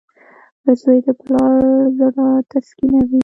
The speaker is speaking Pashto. • زوی د پلار زړۀ تسکینوي.